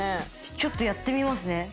ちょっとやってみますね。